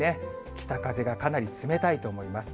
北風がかなり冷たいと思います。